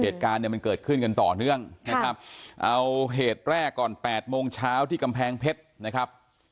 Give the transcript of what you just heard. เหตุการณ์เนี่ยมันเกิดขึ้นกันต่อเนื่องนะครับเอาเหตุแรกก่อนแปดโมงเช้าที่กำแพงเพชรนะครับ